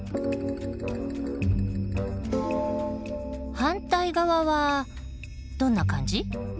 反対側はどんな感じ？